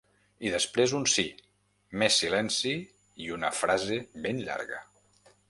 I després un sí, més silenci i una frase ben llarga.